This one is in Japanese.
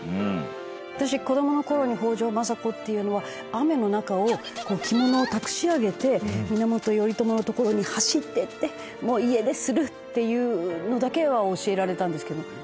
私子どもの頃に「北条政子っていうのは雨の中を着物をたくし上げて源頼朝のところに走っていってもう家出する」っていうのだけは教えられたんですけど。